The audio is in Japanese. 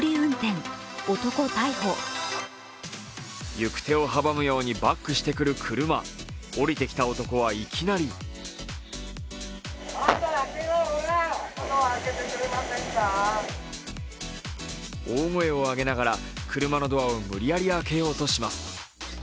行く手を阻むようにバックしてくる車、降りてきた男はいきなり大声を上げながら車のドアを無理やり開けようとします。